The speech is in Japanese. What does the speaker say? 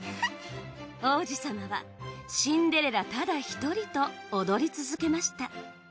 王子様はシンデレラただ一人と踊り続けました。